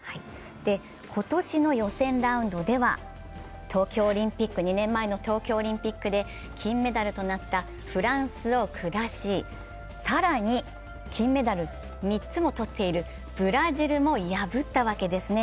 今年の予選ラウンドでは２年前の東京オリンピックで金メダルとなったフランスを下し、更に金メダル３つも取っているブラジルも破ったわけですね。